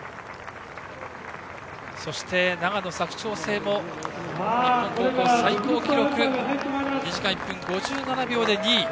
そして、長野・佐久長聖も日本高校最高記録の２時間１分５７秒で２位。